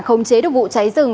khống chế được vụ cháy rừng